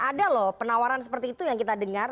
ada loh penawaran seperti itu yang kita dengar